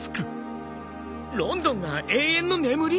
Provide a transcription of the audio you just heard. ロンドンが永遠の眠り！？